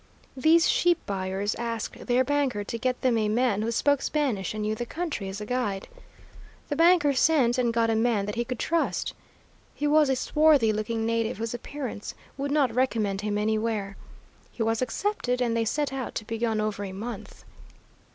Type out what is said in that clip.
These sheep buyers asked their banker to get them a man who spoke Spanish and knew the country, as a guide. The banker sent and got a man that he could trust. He was a swarthy looking native whose appearance would not recommend him anywhere. He was accepted, and they set out to be gone over a month.